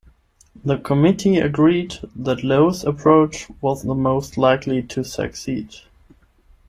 The committee agreed that Lowe's approach was the most likely to succeed.